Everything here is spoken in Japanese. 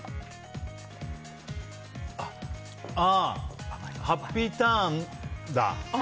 あ、ハッピーターンだ。